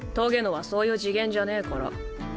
棘のはそういう次元じゃねぇから。